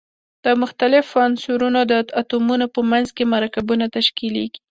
د مختلفو عنصرونو د اتومونو په منځ کې مرکبونه تشکیلیږي.